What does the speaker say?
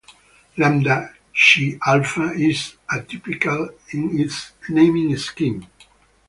Lambda Chi Alpha is atypical in its naming scheme.